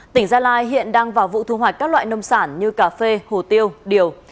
tỉnh gia lai hiện đang vào vụ thu hoạch các loại nông sản như cà phê hồ tiêu điều